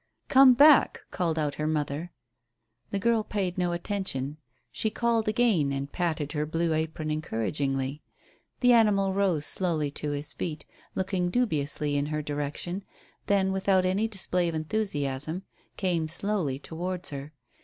"Come back," called out her mother. The girl paid no attention. She called again, and patted her blue apron encouragingly. The animal rose slowly to his feet, looked dubiously in her direction, then, without any display of enthusiasm, came slowly towards her.